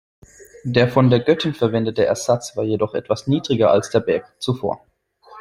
Der von der Göttin verwendete Ersatz war jedoch etwas niedriger als der Berg zuvor.